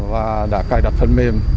và đã cài đặt thân mềm